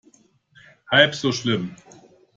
Halb so schlimm.